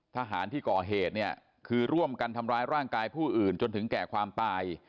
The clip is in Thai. ทหารที่ก่อเหตุเนี่ยคือร่วมกันทำร้ายร่างกายผู้อื่นจนถึงแก่ความตาย